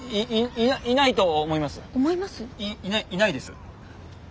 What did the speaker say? いいないないです。